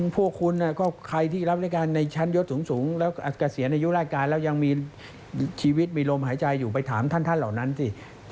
พวกคุณก็ใครที่รับรายการในชั้นยศสูงแล้วเกษียณอายุรายการแล้วยังมีชีวิตมีลมหายใจอยู่ไปถามท่านเหล่านั้นสิ